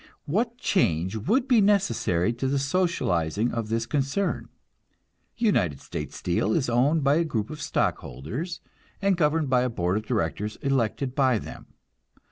What change would be necessary to the socializing of this concern? United States Steel is owned by a group of stockholders, and governed by a board of directors elected by them.